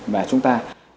về chúng ta